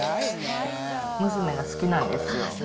娘が好きなんですよ。